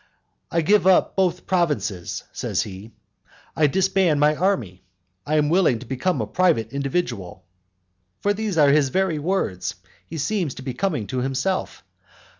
"I give up both provinces," says he, "I disband my army, I am willing to become a private individual." For these are his very words. He seems to be coming to himself.